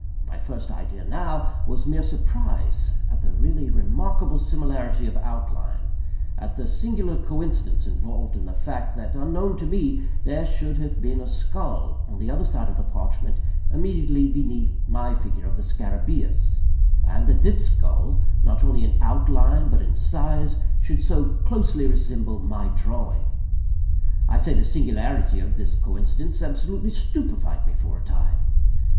My first idea, now, was mere surprise at the really remarkable similarity of outline—at the singular coincidence involved in the fact, that unknown to me, there should have been a skull upon the other side of the parchment, immediately beneath my figure of the scarabæus, and that this skull, not only in outline, but in size, should so closely resemble my drawing. I say the singularity of this coincidence absolutely stupefied me for a time.